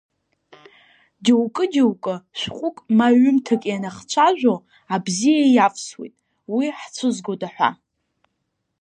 Џьоукы-џьоукы шәҟәык, ма ҩымҭак ианахцәажәо, абзиа иавсуеит, уи ҳцәызгода ҳәа.